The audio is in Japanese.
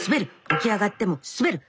起き上がっても滑る。